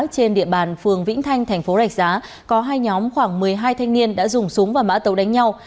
trên địa bàn phường vĩnh thanh thành phố rạch giá có hai nhóm khoảng một mươi hai thanh niên đã dùng súng và mã tàu đánh nhau